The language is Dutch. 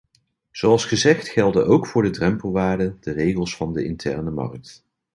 Zoals gezegd gelden ook voor de drempelwaarden de regels van de interne markt.